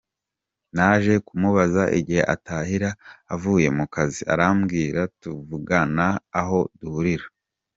Naje kumubaza igihe atahira avuye mu kazi arakibwira, tuvugana aho duhurira.